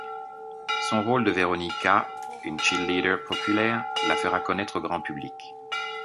Son rôle de Veronica, une cheerleader populaire, la fera connaître au grand public.